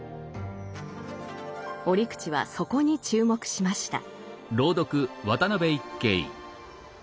折口はそこに注目しました。